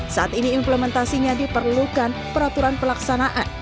saat ini implementasinya diperlukan peraturan pelaksanaan